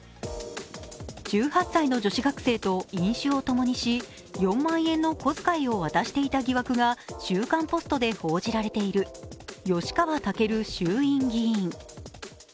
１８歳の女子学生と飲酒を共にし４万円の小遣いを渡していた疑惑が「週刊ポスト」で報じられている吉川赳衆院議員。